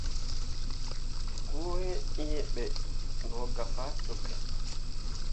Goo ǝǝ ɓe no gah faa cok.